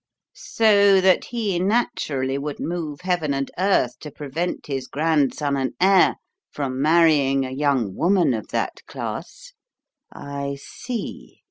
"So that he, naturally, would move heaven and earth to prevent his grandson and heir from marrying a young woman of that class? I see!"